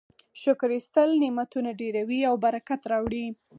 شکر ایستل نعمتونه ډیروي او برکت راوړي.